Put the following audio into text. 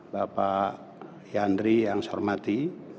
bapak yandri yang saya hormati